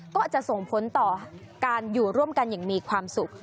ก็อาจจะส่งผลต่อการอยู่ร่วมกันอย่างมีความสุข